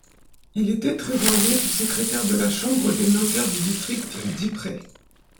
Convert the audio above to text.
Il était trésorier puis secrétaire de la Chambre des notaires du district d'Ypres.